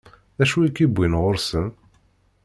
D acu i k-iwwin ɣur-sen?